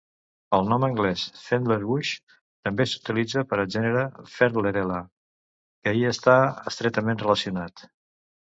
El nom anglès "fendlerbush" també s'utilitza per al gènere "fendlerella", que hi està estretament relacionat.